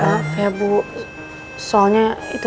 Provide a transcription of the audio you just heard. soalnya itu soalnya aku gak mau pergi dari sini